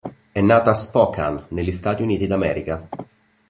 È nata a Spokane negli Stati Uniti d'America.